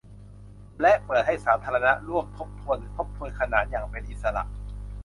และเปิดให้สาธารณะร่วมทบทวนหรือทบทวนขนานอย่างเป็นอิสระ